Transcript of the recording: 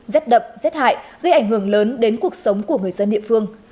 rét đậm rét hại gây ảnh hưởng lớn đến cuộc sống của người dân địa phương